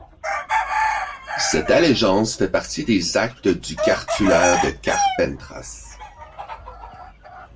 Cet allégeance fait partie des actes du cartulaire de Carpentras.